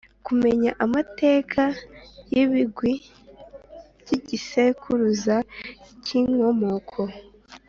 Kumenya amateka y’ibigwi by’igisekuruza cy’inkomoko,